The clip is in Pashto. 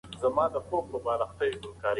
تاسو باید له ناپوهه خلکو سره بحث ونه کړئ.